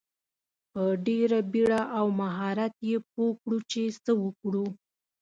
په ډیره بیړه او مهارت یې پوه کړو چې څه وکړو.